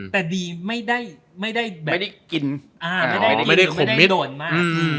แต่ดีไม่ได้กินไม่ได้โดนมาก